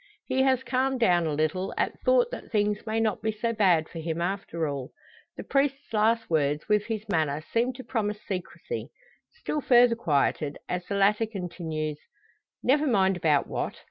He has calmed down a little, at thought that things may not be so bad for him after all. The priest's last words, with his manner, seem to promise secrecy. Still further quieted as the latter continues: "Never mind about what.